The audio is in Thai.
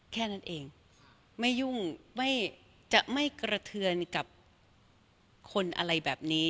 แค่นั้นเองไม่ยุ่งไม่จะไม่กระเทือนกับคนอะไรแบบนี้